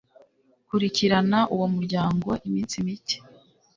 kurikirana uwo muryango iminsi mike